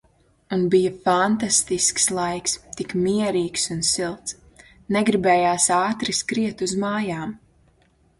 Un bija fantastisks laiks, tik mierīgs un silts. Negribējās ātri skriet uz mājām.